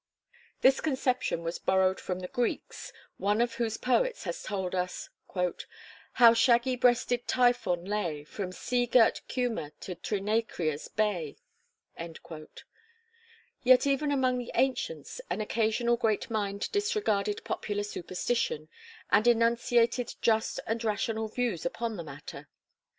This conception was borrowed from the Greeks, one of whose poets has told us "How shaggy breasted Typhon lay, From sea girt Cuma to Trinacria's bay." Yet, even among the ancients an occasional great mind disregarded popular superstition, and enunciated just and rational views upon the matter.